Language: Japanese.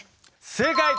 正解！